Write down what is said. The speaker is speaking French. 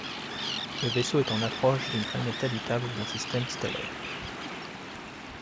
Le vaisseau est en approche d'une planète habitable d'un système stellaire.